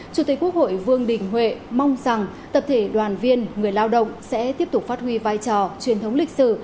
chủ tịch quốc hội vương đình huệ mong rằng tập thể đoàn viên người lao động sẽ tiếp tục phát huy vai trò truyền thống lịch sử